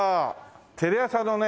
テレ朝のね